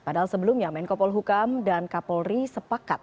padahal sebelumnya menko polhukam dan kapolri sepakat